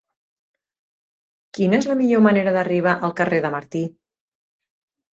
Quina és la millor manera d'arribar al carrer de Martí?